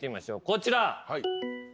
こちら。